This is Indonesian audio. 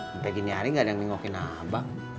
sampai gini hari gak ada yang nengokin abang